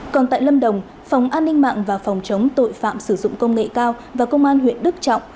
còn tại lâm đồng phòng an ninh mạng và phòng chống tội phạm sử dụng công nghệ cao và công an huyện đức trọng